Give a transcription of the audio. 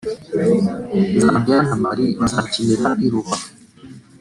Zambia na Mali (bazakinira i Rubavu)